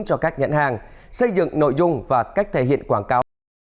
cho các nhãn hàng xây dựng nội dung và cách thể hiện quảng cáo